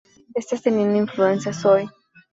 Estas tenían influencias oi!